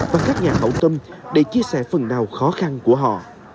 và các nhà hậu tâm để chia sẻ phần nào khó khăn của họ